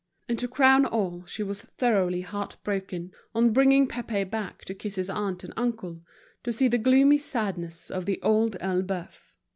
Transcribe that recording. And to crown all she was thoroughly heart broken, on bringing Pépé back to kiss his aunt and uncle, to see the gloomy sadness of The Old Elbeuf.